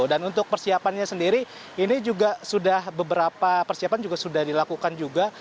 dan untuk persiapannya sendiri ini juga sudah beberapa persiapan juga sudah dilakukan juga